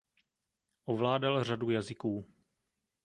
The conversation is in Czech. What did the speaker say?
Ovládal řadu jazyků.